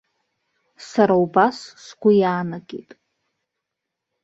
Сара убас сгәы иаанагеит.